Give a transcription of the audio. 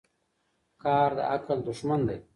قهر د عقل دښمن دی.